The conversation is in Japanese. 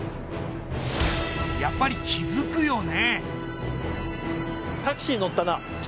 やっぱり気付くよね。